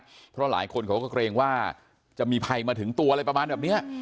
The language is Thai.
เพราะหลายคนเขาก็เกรงว่าจะมีภัยมาถึงตัวอะไรประมาณแบบเนี้ย